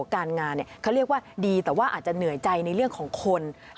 การงานเขาเรียกว่าดีแต่ว่าอาจจะเหนื่อยใจในเรื่องของคน